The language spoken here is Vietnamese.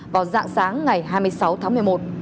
vào dạng sáng ngày hai mươi sáu tháng một mươi một